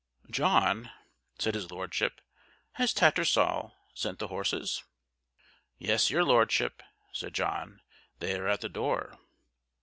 "John," said his Lordship, "has Tattersall sent the horses?" "Yes, your Lordship," said John, "they are at the door?"